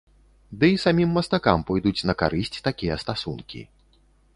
Ды і самім мастакам пойдуць на карысць такія стасункі.